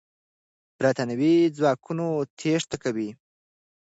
برتانوي ځواکونه تېښته کوي.